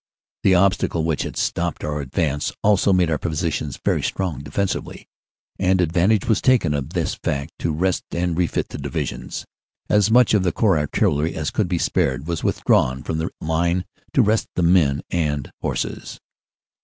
The obstacle which had stopped our advance also made our positions very strong defensively, and advantage was taken of this fact to rest and refit the Divisions. As much of the Corps Artillery as could be spared was withdrawn from the line to rest the men and horses.